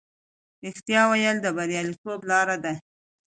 رښتیا ویل د بریالیتوب لاره ده.